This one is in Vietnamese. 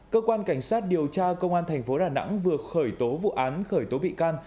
cơ quan cảnh sát điều tra công an thành phố đà nẵng vừa khởi tố vụ án khởi tố bị can